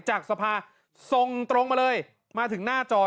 จากสภาส่งตรงมาเลยมาถึงหน้าจอ